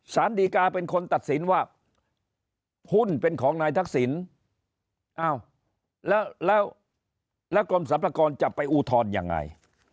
สารดีกาเป็นคนตัดสินว่าหุ้นเป็นของนายทักษิณอ้าวแล้วแล้วกรมสรรพากรจะไปอุทธรณ์ยังไง